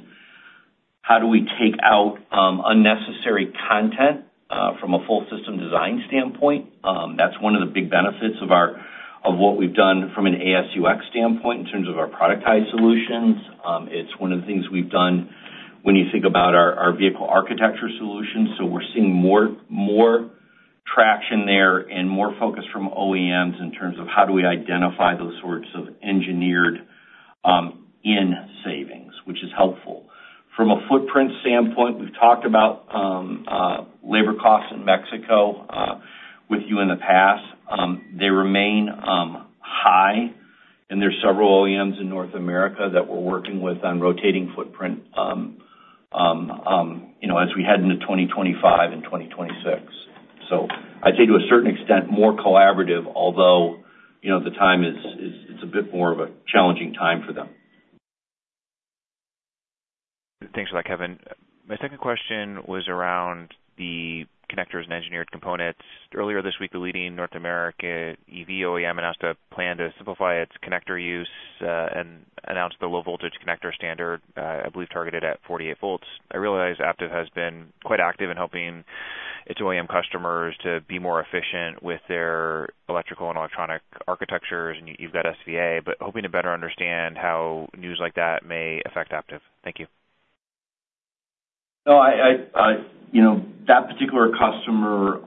How do we take out unnecessary content from a full system design standpoint? That's one of the big benefits of what we've done from an ASUX standpoint in terms of our productized solutions. It's one of the things we've done when you think about our vehicle architecture solutions. So we're seeing more traction there and more focus from OEMs in terms of how do we identify those sorts of engineered in savings, which is helpful. From a footprint standpoint, we've talked about labor costs in Mexico with you in the past. They remain high, and there's several OEMs in North America that we're working with on rotating footprint as we head into 2025 and 2026. So I'd say to a certain extent, more collaborative, although the time is a bit more of a challenging time for them. Thanks for that, Kevin. My second question was around the connectors and engineered components. Earlier this week, the leading North American EV OEM announced a plan to simplify its connector use and announced the low-voltage connector standard, I believe, targeted at 48 volts. I realize Aptiv has been quite active in helping its OEM customers to be more efficient with their electrical and electronic architectures, and you've got SVA, but hoping to better understand how news like that may affect Aptiv? Thank you. No, that particular customer,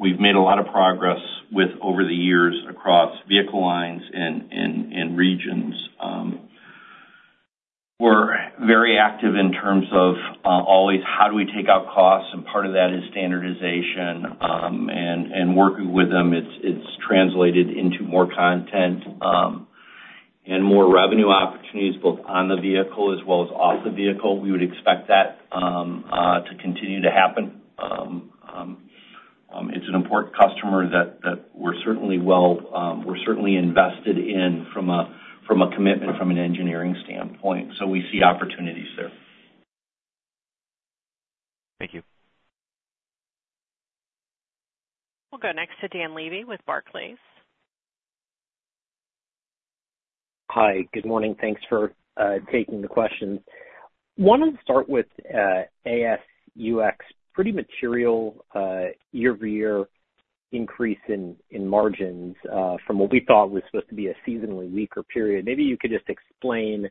we've made a lot of progress with over the years across vehicle lines and regions. We're very active in terms of always how do we take out costs, and part of that is standardization, and working with them, it's translated into more content and more revenue opportunities both on the vehicle as well as off the vehicle. We would expect that to continue to happen. It's an important customer that we're certainly well invested in from a commitment from an engineering standpoint, so we see opportunities there. Thank you. We'll go next to Dan Levy with Barclays. Hi. Good morning. Thanks for taking the questions. I want to start with ASUX, pretty material year-over-year increase in margins from what we thought was supposed to be a seasonally weaker period. Maybe you could just explain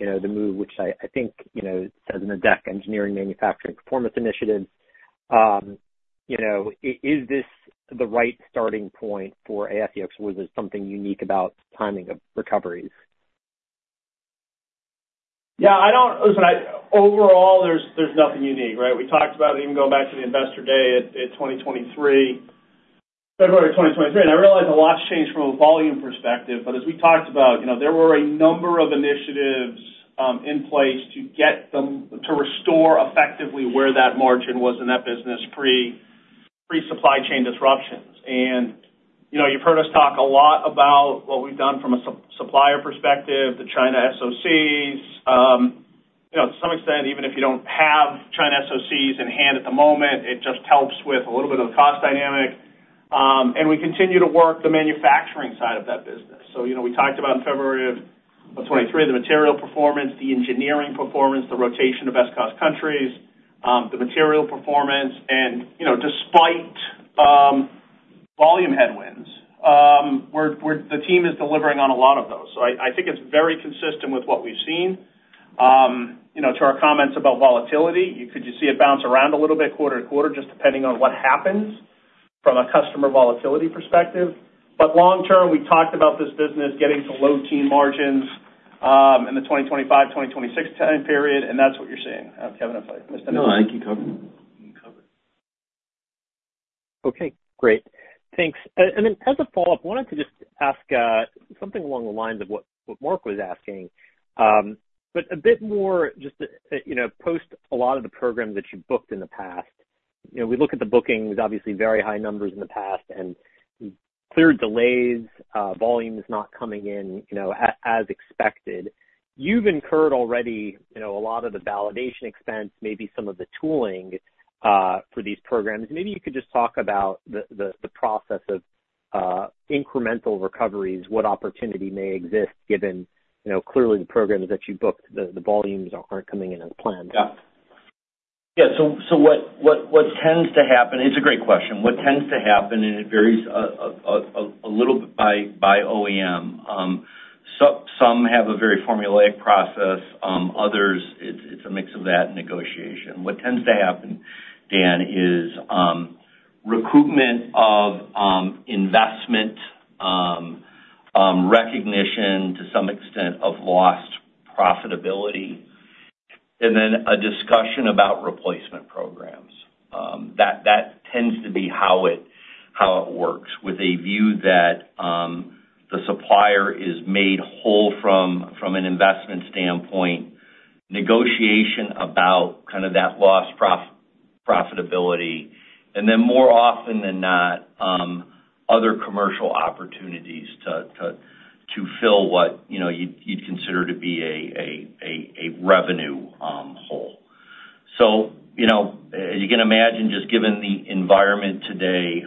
the move, which I think says in the deck, Engineering Manufacturing Performance Initiative. Is this the right starting point for ASUX, or is there something unique about timing of recoveries? Yeah. Listen, overall, there's nothing unique, right? We talked about even going back to the investor day in 2023, February 2023. And I realize a lot's changed from a volume perspective, but as we talked about, there were a number of initiatives in place to restore effectively where that margin was in that business pre-supply chain disruptions. And you've heard us talk a lot about what we've done from a supplier perspective, the China SOCs. To some extent, even if you don't have China SOCs in hand at the moment, it just helps with a little bit of the cost dynamic. And we continue to work the manufacturing side of that business. So, we talked about in February of 2023 the material performance, the engineering performance, the rotation of best cost countries, the material performance. And despite volume headwinds, the team is delivering on a lot of those. So I think it's very consistent with what we've seen. To our comments about volatility, you could just see it bounce around a little bit quarter to quarter, just depending on what happens from a customer volatility perspective. But long-term, we talked about this business getting to low-teens margins in the 2025, 2026 time period, and that's what you're seeing. Kevin, if I missed anything? No, I think you covered it. Okay. Great. Thanks. And then as a follow-up, I wanted to just ask something along the lines of what Mark was asking, but a bit more just post a lot of the programs that you've booked in the past. We look at the bookings, obviously very high numbers in the past, and clear delays, volumes not coming in as expected. You've incurred already a lot of the validation expense, maybe some of the tooling for these programs. Maybe you could just talk about the process of incremental recoveries, what opportunity may exist given clearly the programs that you booked, the volumes aren't coming in as planned. Yeah. Yeah. So what tends to happen is a great question. What tends to happen, and it varies a little bit by OEM. Some have a very formulaic process. Others, it's a mix of that and negotiation. What tends to happen, Dan, is recoupment of investment, recognition to some extent of lost profitability, and then a discussion about replacement programs. That tends to be how it works with a view that the supplier is made whole from an investment standpoint, negotiation about kind of that lost profitability, and then more often than not, other commercial opportunities to fill what you'd consider to be a revenue hole. So as you can imagine, just given the environment today,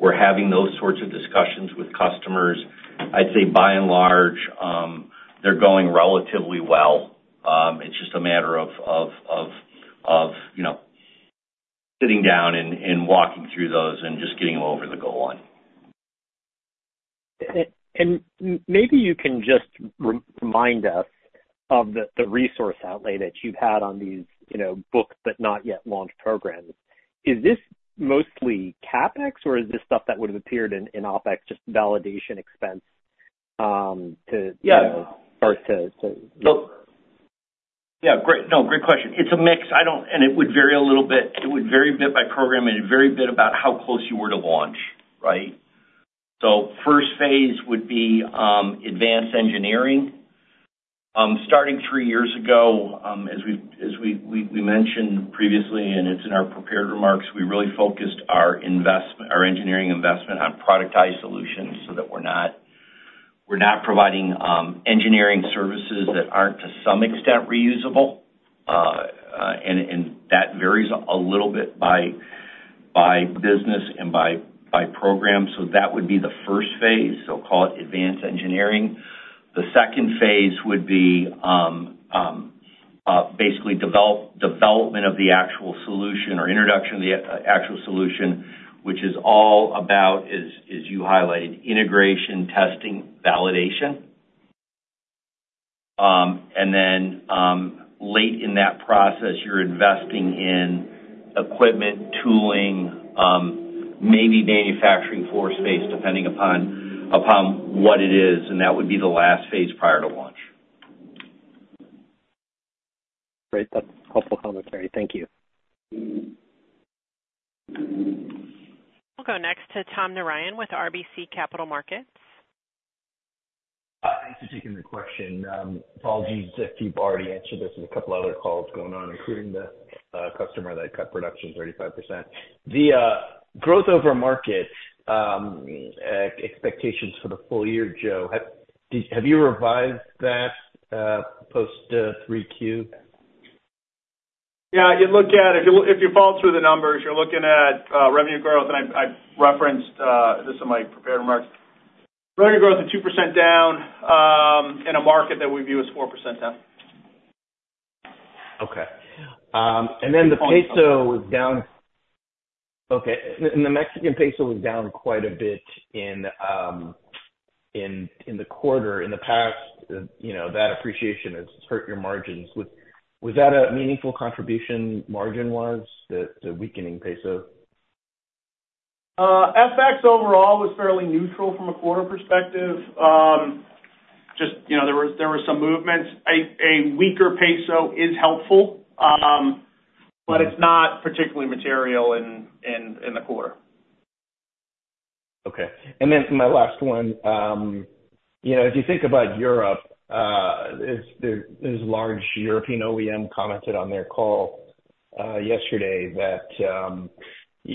we're having those sorts of discussions with customers. I'd say by and large, they're going relatively well. It's just a matter of sitting down and walking through those and just getting them over the goal line, and maybe you can just remind us of the resource outlay that you've had on these booked but not yet launched programs. Is this mostly CapEx, or is this stuff that would have appeared in OpEx, just validation expense to start to? Yeah. No, great question. It's a mix, and it would vary a little bit. It would vary a bit by program and a great bit about how close you were to launch, right? So first phase would be advanced engineering. Starting three years ago, as we mentioned previously, and it's in our prepared remarks, we really focused our engineering investment on product-tied solutions so that we're not providing engineering services that aren't to some extent reusable. And that varies a little bit by business and by program. So that would be the first phase. They'll call it advanced engineering. The second phase would be basically development of the actual solution or introduction of the actual solution, which is all about, as you highlighted, integration, testing, validation. And then late in that process, you're investing in equipment, tooling, maybe manufacturing forecast based, depending upon what it is. And that would be the last phase prior to launch. Great. That's helpful commentary. Thank you. We'll go next to Tom Narayan with RBC Capital Markets. Thanks for taking the question. Apologies if you've already answered this with a couple of other calls going on, including the customer that cut production 35%. The growth over market expectations for the full year, Joe, have you revised that post-3Q? Yeah. If you follow through the numbers, you're looking at revenue growth, and I referenced this in my prepared remarks. Revenue growth is 2% down in a market that we view as 4% down. Okay. And then the peso was down. Okay. And the Mexican peso was down quite a bit in the quarter. In the past, that appreciation has hurt your margins. Was that a meaningful contribution margin-wise, the weakening peso? FX overall was fairly neutral from a quarter perspective. Just there were some movements. A weaker peso is helpful, but it's not particularly material in the quarter. Okay. And then my last one, as you think about Europe, there's large European OEM commented on their call yesterday that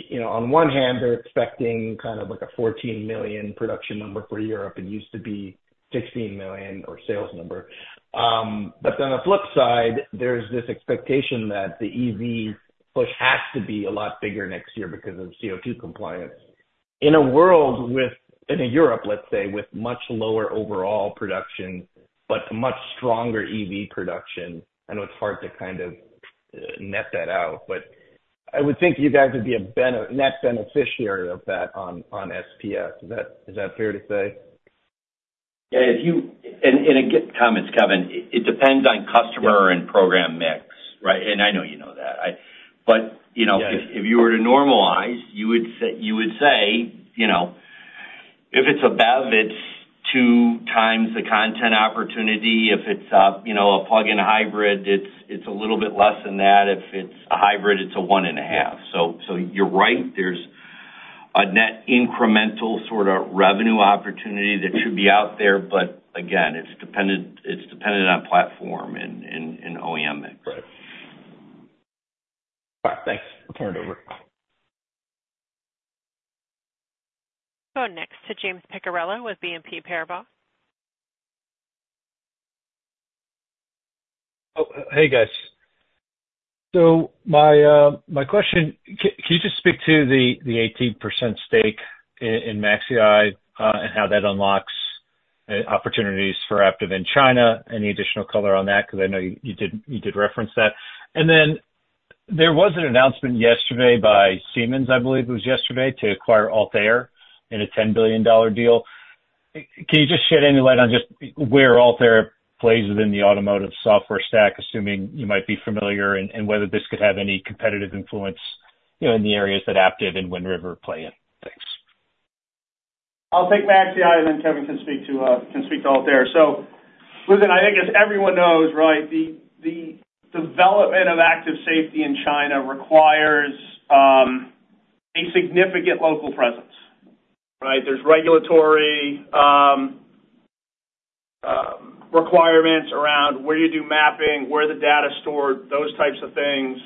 on one hand, they're expecting kind of like a 14 million production number for Europe. It used to be 16 million or sales number. But on the flip side, there's this expectation that the EV push has to be a lot bigger next year because of CO2 compliance. In a world with, in Europe, let's say, with much lower overall production, but a much stronger EV production, I know it's hard to kind of net that out, but I would think you guys would be a net beneficiary of that on SPS. Is that fair to say? Yeah. And comments, Kevin, it depends on customer and program mix, right? And I know you know that. But if you were to normalize, you would say if it's a BEV, it's two times the content opportunity. If it's a plug-in hybrid, it's a little bit less than that. If it's a hybrid, it's a one and a half. So you're right. There's a net incremental sort of revenue opportunity that should be out there, but again, it's dependent on platform and OEM mix. Right. All right. Thanks. I'll turn it over. Going next to James Picariello with BNP Paribas. Hey, guys. So my question, can you just speak to the 18% stake in Maxieye and how that unlocks opportunities for Aptiv in China? Any additional color on that? Because I know you did reference that. And then there was an announcement yesterday by Siemens, I believe it was yesterday, to acquire Altair in a $10 billion deal. Can you just shed any light on just where Altair plays within the automotive software stack, assuming you might be familiar, and whether this could have any competitive influence in the areas that Aptiv and Wind River play in? Thanks. I'll take Maxieye, and then Kevin can speak to Altair. So listen, I think as everyone knows, right, the development of Active Safety in China requires a significant local presence, right? There's regulatory requirements around where you do mapping, where the data's stored, those types of things.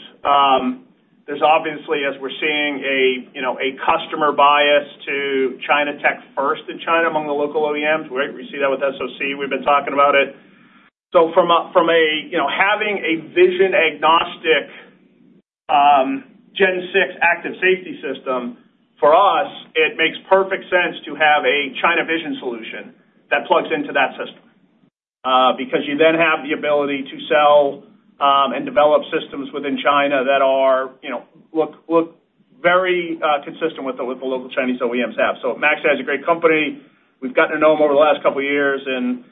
There's obviously, as we're seeing, a customer bias to China tech first in China among the local OEMs, right? We see that with SOC. We've been talking about it. So from having a vision-agnostic Gen 6 active safety system, for us, it makes perfect sense to have a China vision solution that plugs into that system because you then have the ability to sell and develop systems within China that look very consistent with what the local Chinese OEMs have. So Maxieye is a great company. We've gotten to know them over the last couple of years. And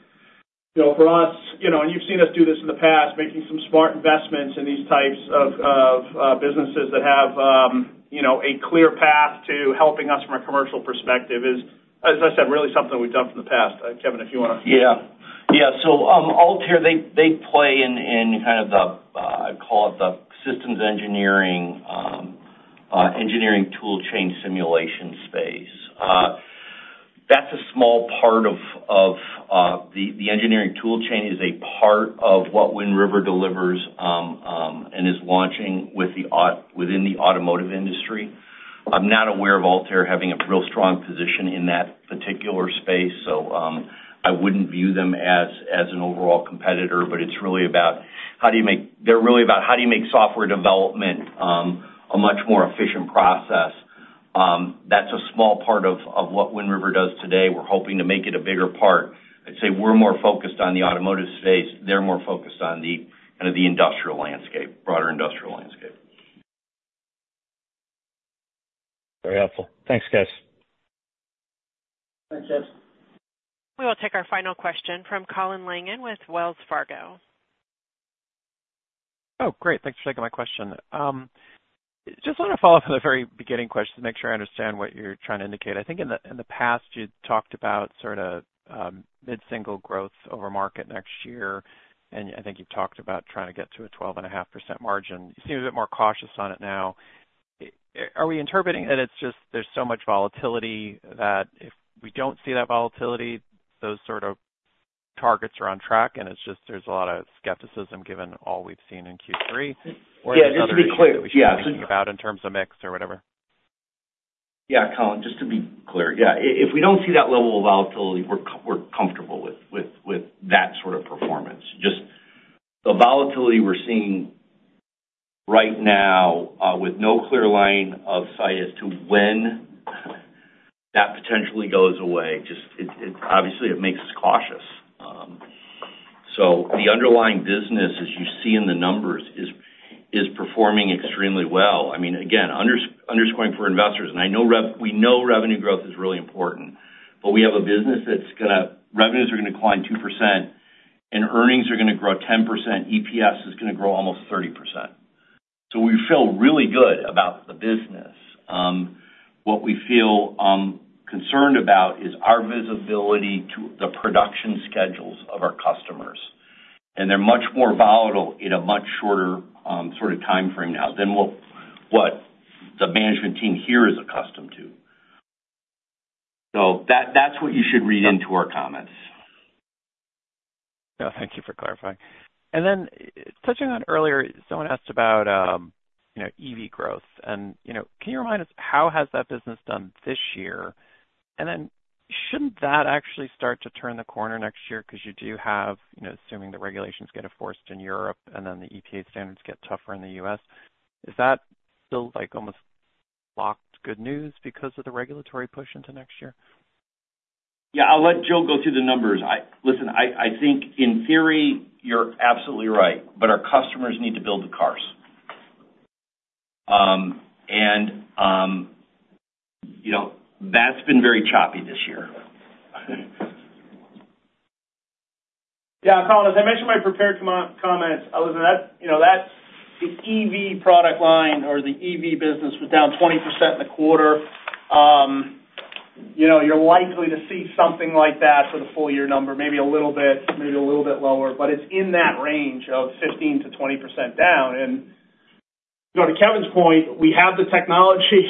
for us, and you've seen us do this in the past, making some smart investments in these types of businesses that have a clear path to helping us from a commercial perspective is, as I said, really something we've done from the past. Kevin, if you want to. Yeah. Yeah. So Altair, they play in kind of the, I call it the systems engineering, engineering tool chain simulation space. That's a small part of the engineering tool chain is a part of what Wind River delivers and is launching within the automotive industry. I'm not aware of Altair having a real strong position in that particular space. So I wouldn't view them as an overall competitor, but it's really about how do you make software development a much more efficient process. That's a small part of what Wind River does today. We're hoping to make it a bigger part. I'd say we're more focused on the automotive space. They're more focused on the kind of the industrial landscape, broader industrial landscape. Very helpful. Thanks, guys. Thanks, guys. We will take our final question from Colin Langan with Wells Fargo. Oh, great. Thanks for taking my question. Just want to follow up on the very beginning question to make sure I understand what you're trying to indicate. I think in the past, you talked about sort of mid-single growth over market next year, and I think you've talked about trying to get to a 12.5% margin. You seem a bit more cautious on it now. Are we interpreting that it's just there's so much volatility that if we don't see that volatility, those sort of targets are on track, and it's just there's a lot of skepticism given all we've seen in Q3? Or is there something that we should be thinking about in terms of mix or whatever? Yeah, Colin, just to be clear. Yeah. If we don't see that level of volatility, we're comfortable with that sort of performance. Just the volatility we're seeing right now with no clear line of sight as to when that potentially goes away. Just obviously, it makes us cautious. So the underlying business, as you see in the numbers, is performing extremely well. I mean, again, underscoring for investors, and I know we know revenue growth is really important, but we have a business where revenues are going to climb 2%, and earnings are going to grow 10%. EPS is going to grow almost 30%. So we feel really good about the business. What we feel concerned about is our visibility to the production schedules of our customers, and they're much more volatile in a much shorter sort of timeframe now than what the management team here is accustomed to. So that's what you should read into our comments. Yeah. Thank you for clarifying. And then touching on earlier, someone asked about EV growth. And can you remind us how has that business done this year? And then shouldn't that actually start to turn the corner next year because you do have, assuming the regulations get enforced in Europe and then the EPA standards get tougher in the U.S.? Is that still almost locked good news because of the regulatory push into next year? Yeah. I'll let Joe go through the numbers. Listen, I think in theory, you're absolutely right, but our customers need to build the cars. And that's been very choppy this year. Yeah. Colin, as I mentioned in my prepared comments, listen, that's the EV product line or the EV business was down 20% in the quarter. You're likely to see something like that for the full year number, maybe a little bit, maybe a little bit lower, but it's in that range of 15%-20% down. And to Kevin's point, we have the technology,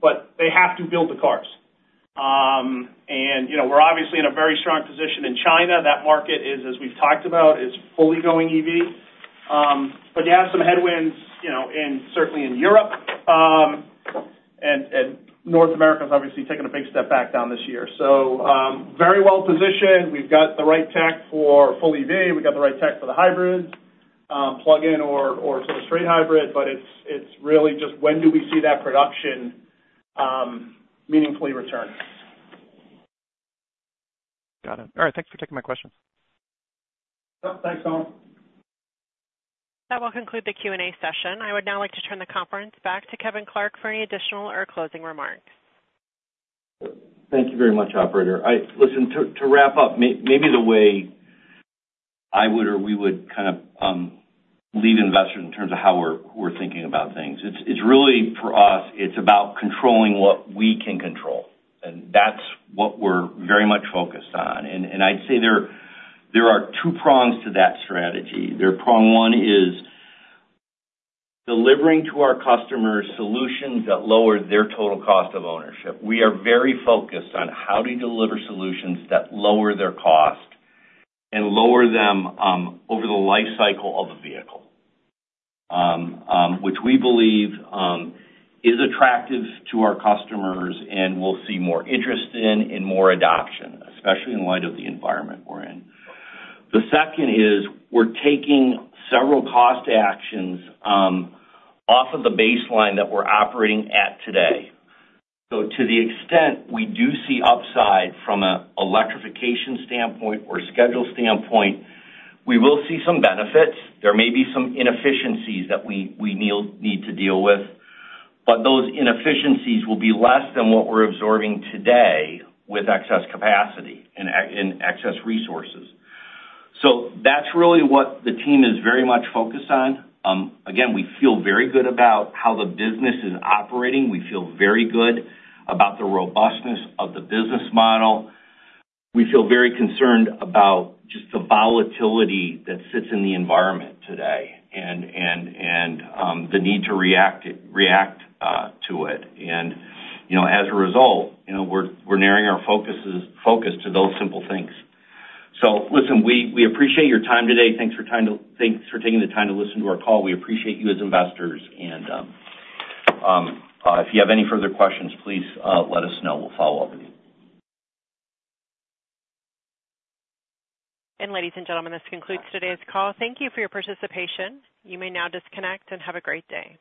but they have to build the cars. And we're obviously in a very strong position in China. That market is, as we've talked about, fully going EV. But you have some headwinds, certainly in Europe. And North America is obviously taking a big step back down this year. So very well positioned. We've got the right tech for full EV. We've got the right tech for the hybrid, plug-in or sort of straight hybrid, but it's really just when do we see that production meaningfully return. Got it. All right. Thanks for taking my questions. Yep. Thanks, Colin. That will conclude the Q&A session. I would now like to turn the conference back to Kevin Clark for any additional or closing remarks. Thank you very much, operator. Listen, to wrap up, maybe the way I would or we would kind of lead investors in terms of how we're thinking about things. It's really for us. It's about controlling what we can control. And that's what we're very much focused on. And I'd say there are two prongs to that strategy. Prong one is delivering to our customers solutions that lower their total cost of ownership. We are very focused on how do you deliver solutions that lower their cost and lower them over the life cycle of a vehicle, which we believe is attractive to our customers and we'll see more interest in and more adoption, especially in light of the environment we're in. The second is we're taking several cost actions off of the baseline that we're operating at today. So to the extent we do see upside from an electrification standpoint or schedule standpoint, we will see some benefits. There may be some inefficiencies that we need to deal with, but those inefficiencies will be less than what we're absorbing today with excess capacity and excess resources. So that's really what the team is very much focused on. Again, we feel very good about how the business is operating. We feel very good about the robustness of the business model. We feel very concerned about just the volatility that sits in the environment today and the need to react to it. And as a result, we're narrowing our focus to those simple things. So listen, we appreciate your time today. Thanks for taking the time to listen to our call. We appreciate you as investors. And if you have any further questions, please let us know. We'll follow up with you. And ladies and gentlemen, this concludes today's call. Thank you for your participation. You may now disconnect and have a great day.